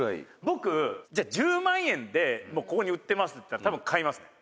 「僕じゃあ１０万円でここに売ってますっていったら多分買いますね」